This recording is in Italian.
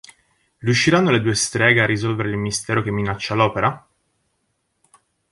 Riusciranno le due streghe a risolvere il mistero che minaccia l'Opera?